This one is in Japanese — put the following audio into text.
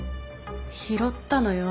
拾ったのよ。